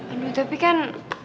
aduh tapi kan